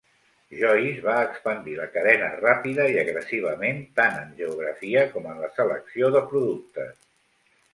Joyce va expandir la cadena ràpida i agressivament tant en geografia com en la selecció de productes.